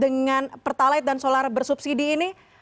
dengan pertalite dan solar bersubsidi ini